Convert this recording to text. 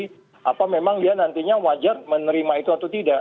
jadi apa memang dia nantinya wajar menerima itu atau tidak